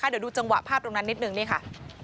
เดี๋ยวดูจังหวะภาพตรงนั้นนิดนึงนี่ค่ะ